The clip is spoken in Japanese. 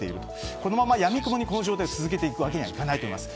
このまま闇雲にこの状態が続けていくわけにはいかないと思います。